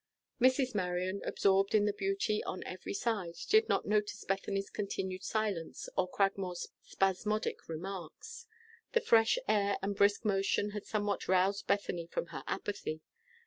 Mrs. Marion, absorbed in the beauty on every side, did not notice Bethany's continued silence or Cragmore's spasmodic remarks. The fresh air and brisk motion had somewhat aroused Bethany from her apathy.